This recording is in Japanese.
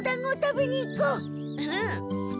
うん。